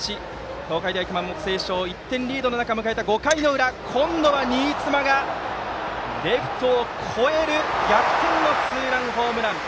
東海大熊本星翔が１点リードの中迎えた５回の裏今度は新妻がレフトを越える逆転のツーランホームラン。